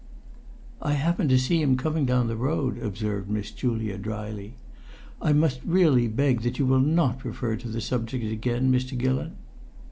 "I happen to see him coming down the road," observed Miss Julia, dryly. "I must really beg that you will not refer to the subject again, Mr. Gillon."